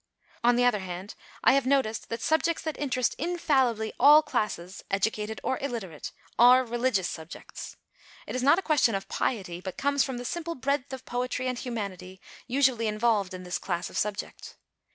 On the other hand, I have noticed that subjects that interest infallibly all classes, educated or illiterate, are religious subjects. It is not a question of piety but comes from the simple breadth of poetry and humanity usually involved in this class of subject.